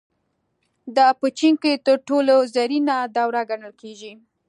دا په چین کې تر ټولو زرینه دوره ګڼل کېږي.